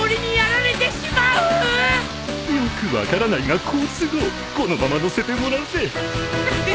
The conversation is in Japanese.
よく分からないが好都合このまま乗せてもらうぜ